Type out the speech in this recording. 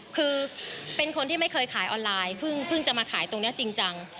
คือเป็นคนที่ไม่เคยขายออนไลน์เพิ่งจะมาขายตรงนี้จริงจัง